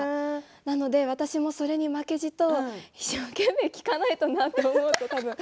なので私も、それに負けずに一生懸命聞かないとなと思うと。